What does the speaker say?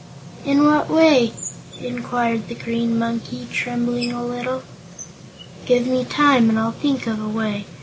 "In what way?" inquired the Green Monkey, trembling a little. "Give me time and I'll think of a way.